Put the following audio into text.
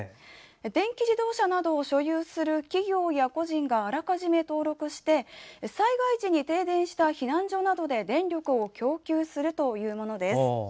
電気自動車などを所有する企業や個人があらかじめ登録して災害時に停電した避難所などで電力を供給するというものです。